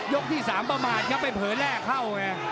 ยกที่สามประมาณครับไปเผยแร่เข้าไง